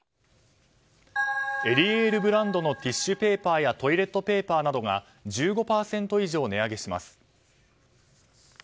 エリエールブランドのティッシュペーパーやトイレットペーパーなどが１５％以上、値上げします。